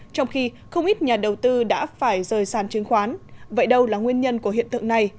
trong khi không ít nhà đầu tư đã phải rời sàn chứng khoán vậy đâu là nguyên nhân của hiện tượng này